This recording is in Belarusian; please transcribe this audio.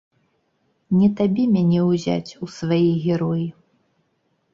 Не табе мяне ўзяць у свае героі.